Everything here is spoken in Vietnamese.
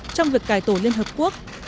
trong việc cải tổ liên hiệp quốc